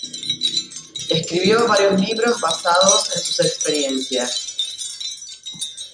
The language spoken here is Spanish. Escribió varios libros basados en sus experiencias.